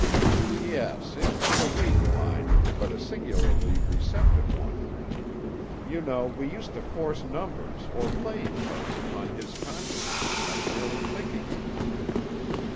"Yes. It was a weak mind, but a singularly receptive one. You know we used to force numbers or playing cards upon his consciousness by merely thinking of them."